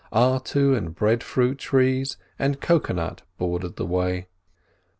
Artu and breadfruit trees and cocoa nut bordered the way.